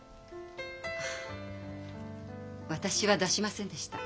私は出しませんでした。